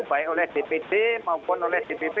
baik oleh dpd maupun oleh dpp